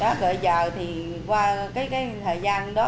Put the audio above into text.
rồi giờ thì qua cái thời gian đó